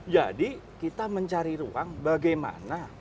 jadi kita mencari ruang bagaimana